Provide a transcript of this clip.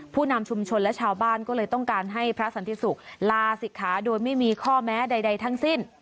ผู้นำชุมชนและชาวบ้านก็เลยต้องการให้พระสันติสุขลาศิกขาโดยไม่มีข้อแม้ใดทั้งสิ้น